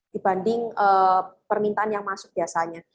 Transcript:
dibanding permintaan yang masuk biasanya